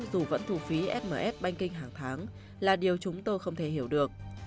dù vẫn thu phí fmf banking hàng tháng là điều chúng tôi không thể hiểu được